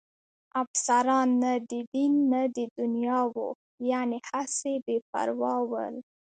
افسران نه د دین نه د دنیا وو، یعنې هسې بې پروا ول.